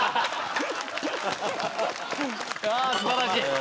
素晴らしい。